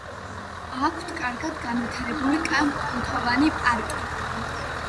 აქვთ კარგად განვითარებული კან-კუნთოვანი პარკი.